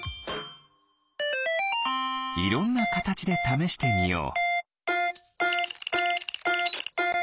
いろんなカタチでためしてみよう。